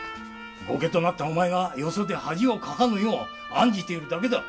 後家となったお前がよそで恥をかかぬよう案じているだけだ。